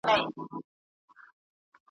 او تر اوسه مي نه مادي `